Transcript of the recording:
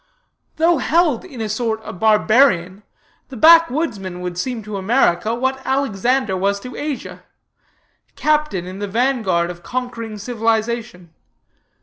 "'Though held in a sort a barbarian, the backwoodsman would seem to America what Alexander was to Asia captain in the vanguard of conquering civilization.